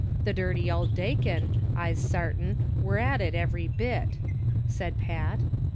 The dirty ould dacon, I'se sartin, were at it every bit," said Pat.